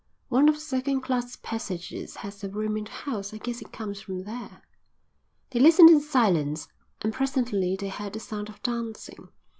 "One of the second class passengers has a room in the house. I guess it comes from there." They listened in silence, and presently they heard the sound of dancing.